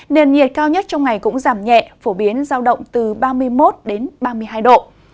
nền nhiệt cao nhất trong ngày cũng giảm nhẹ phổ biến giao động từ ba mươi một đến ba mươi hai độ